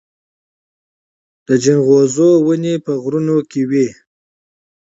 د جلغوزي ونې په غرونو کې وي